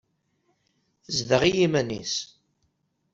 Tezdeɣ i yiman-nnes.